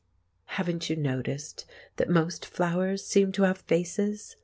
Haven't you noticed that most flowers seem to have faces?